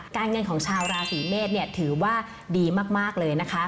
การเงินของชาวราศีเมษถือว่าดีมากเลยนะคะ